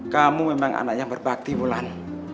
kamu memang anak yang berbakti bulan